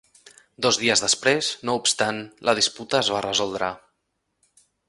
Dos dies després, no obstant, la disputa es va resoldre.